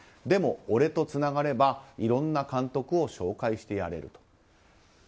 でも俺とつながればいろんな監督を紹介してやれると。